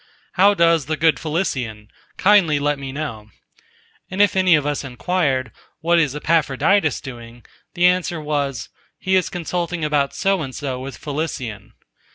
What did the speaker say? "How does the good Felicion? Kindly let me know!" And if any of us inquired, "What is Epaphroditus doing?" the answer was, "He is consulting about so and so with Felicion."